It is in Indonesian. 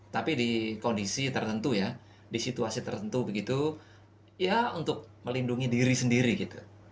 tapi di kondisi tertentu ya di situasi tertentu begitu ya untuk melindungi diri sendiri gitu